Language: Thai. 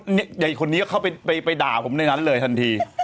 เดี๋ยวอีกคนนี้เขาไปด่าผมในนั้นเลยทันที